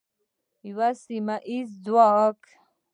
یو سیمه ییز ځواک.